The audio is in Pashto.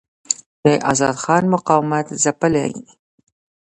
د آزاد خان مقاومت ځپلی.